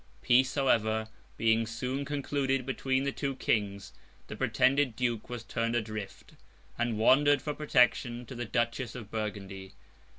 Peace, however, being soon concluded between the two Kings, the pretended Duke was turned adrift, and wandered for protection to the Duchess of Burgundy.